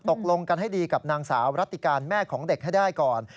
ตกลงกันให้ดีกับนางสาวรัติการแม่ของเด็กให้ได้ก่อน